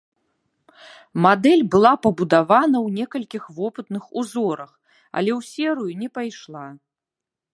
Мадэль была пабудавана ў некалькіх вопытных узорах, але ў серыю не пайшла.